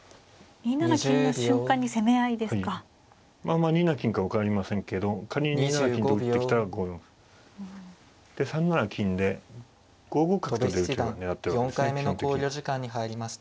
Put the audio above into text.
まあ２七金か分かりませんけど仮に２七金と打ってきたら５四歩。で３七金で５五角と出る手を狙ってるわけですね